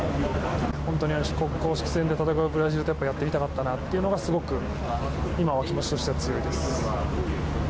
本当に公式戦で戦うブラジル戦をやってみたかったなというのがすごく今は気持ちとしては強いです。